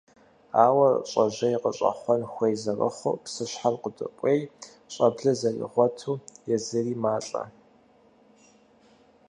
Ауэ щӀэжьей къыщӀэхъуэн хуей зэрыхъуу, псыщхьэм къыдокӀуей, щӀэблэ зэригъуэту езыри малӀэ.